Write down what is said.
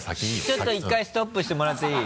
ちょっと１回ストップしてもらっていい？